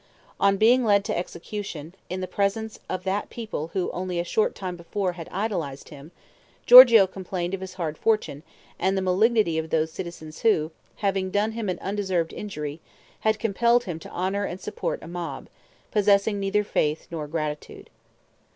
On being led to execution, in the presence of that people who only a short time before had idolized him, Giorgio complained of his hard fortune, and the malignity of those citizens who, having done him an undeserved injury, had compelled him to honor and support a mob, possessing neither faith nor gratitude.